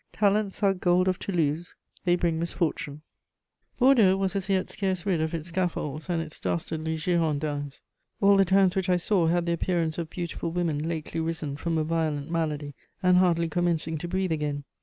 Talents are "gold of Toulouse:" they bring misfortune. [Sidenote: Bordeaux.] Bordeaux was as yet scarce rid of its scaffolds and its dastardly Girondins. All the towns which I saw had the appearance of beautiful women lately risen from a violent malady, and hardly commencing to breathe again.